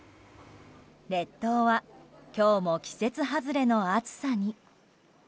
列島は今日も季節外れの暑さに。